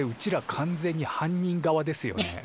完全に犯人側ですよね？